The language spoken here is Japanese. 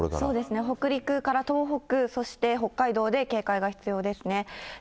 そうですね、北陸から東北、そして北海道で、警戒が必要ですね。